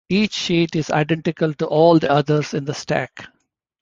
Each sheet is identical to all the others in the stack.